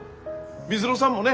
水野さんもね